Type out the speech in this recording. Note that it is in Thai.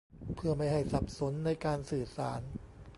เพื่อไม่ให้สับสนในการสื่อสาร